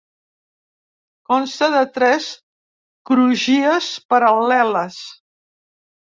Consta de tres crugies paral·leles.